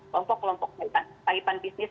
kelompok kelompok kaitan bisnis